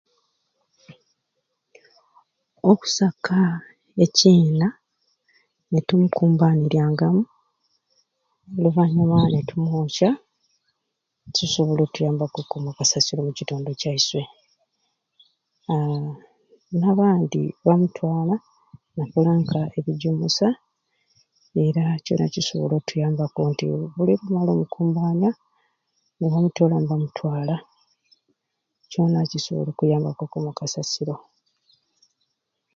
Okusaka ekyina netumulumbaniryangamu oluvanyuma netumwoca kitusobola okutuymbaku okukuuma okasasiro omu kitundu kyeiswe ha namandi bamutwala nakola nka ebijumusas era kyona kisobola otuyambaku nti buli netumala omukumbanwa nebamutolawo nibamutwala kyona kisobola okutuyamabku okukuuma okasasiro